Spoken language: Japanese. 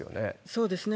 そうですね。